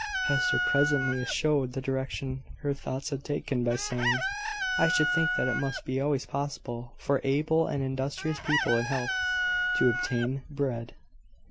Hester presently showed the direction her thoughts had taken, by saying "I should think that it must be always possible for able and industrious people, in health, to obtain bread."